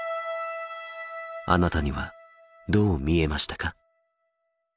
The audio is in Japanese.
あなたにはどう見えましたか？